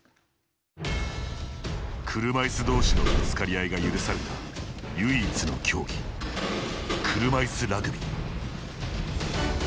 車いす同士のぶつかり合いが許された唯一の競技、車いすラグビー。